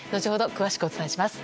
詳しくお伝えします。